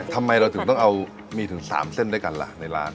ทำไมเราถึงต้องเอามีถึง๓เส้นด้วยกันล่ะในร้าน